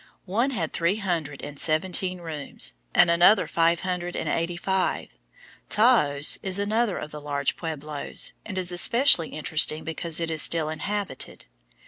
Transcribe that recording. One had three hundred and seventeen rooms, and another five hundred and eighty five. Taos is another of the large pueblos, and is especially interesting because it is still inhabited.